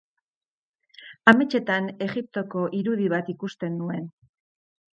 Ametsetan Egiptoko irudi bat ikusten nuen.